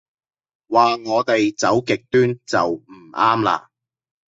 話我哋走極端就唔啱啦